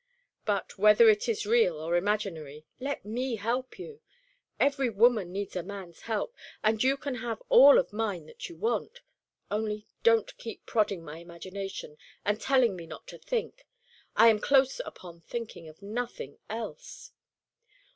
But, whether it is real or imaginary, let me help you. Every woman needs a man's help, and you can have all of mine that you want. Only don't keep prodding my imagination, and telling me not to think. I am close upon thinking of nothing else."